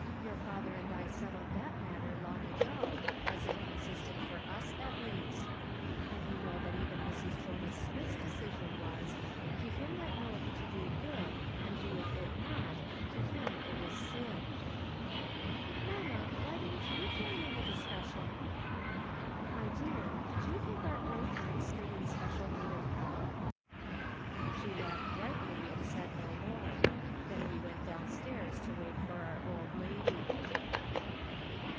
Your father and I settled that matter long ago, as inconsistent for us, at least ; and you know that even Mrs, Jonas Smith's decision was, ' To him that "PERHAPS SHE'S RIGHT." 121 knowetli to do good, and doeth it not, to liim it is sin.' "" Mamma, why didn't you join in the discussion ?"" My dear, did you think our old friend stood in special need of help ?" She laughed brightly and said no more. Then we went downstairs to wait for our old lady.